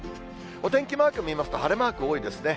お天気マーク見ますと、晴れマーク多いですね。